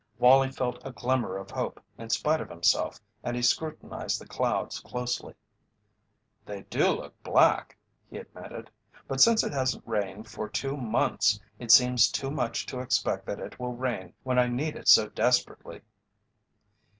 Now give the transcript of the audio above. Wallie felt a glimmer of hope in spite of himself and he scrutinized the clouds closely. "They do look black," he admitted. "But since it hasn't rained for two months it seems too much to expect that it will rain when I need it so desperately."